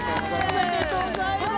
◆ありがとうございます。